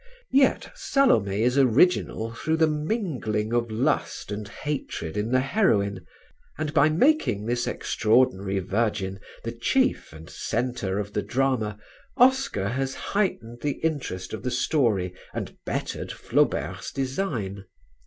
Yet "Salome" is original through the mingling of lust and hatred in the heroine, and by making this extraordinary virgin the chief and centre of the drama Oscar has heightened the interest of the story and bettered Flaubert's design.